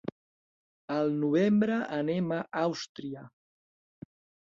Al novembre anem a Àustria.